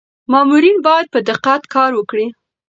مامورین باید په دقت کار وکړي.